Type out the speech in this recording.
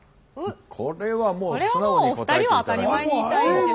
これはもう素直に答えていただいて。